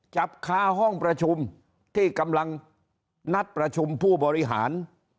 จับคาห้องประชุมที่กำลังนัดประชุมผู้บริหาร